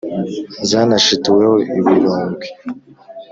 Zanashituweho ibirondwe?